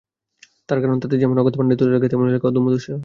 তার কারণ, তাতে যেমন অগাধ পাণ্ডিত্য লাগে, তেমনই লাগে অদম্য দুঃসাহস।